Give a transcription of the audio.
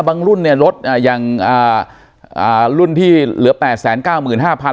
บางรุ่นลดอย่างรุ่นที่เหลือ๘๙๕๐๐๐คัน